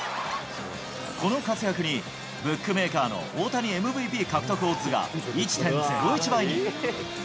この活躍に、ブックメーカーの大谷ＭＶＰ獲得オッズが１．０１倍に。